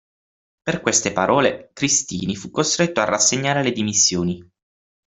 Per queste parole Cristini fu costretto a rassegnare le dimissioni.